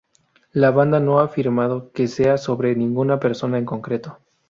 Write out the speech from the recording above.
La banda no ha afirmado que sea sobre ninguna persona en concreto.